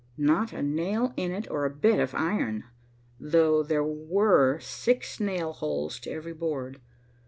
"Not a nail in it or a bit of iron, though there were six nail holes to every board.